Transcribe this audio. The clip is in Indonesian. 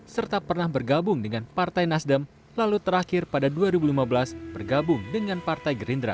serta pernah bergabung dengan partai nasdem lalu terakhir pada dua ribu lima belas bergabung dengan partai gerindra